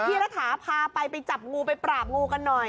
รัฐาพาไปไปจับงูไปปราบงูกันหน่อย